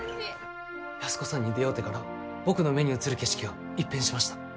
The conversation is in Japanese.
安子さんに出会うてから僕の目に映る景色が一変しました。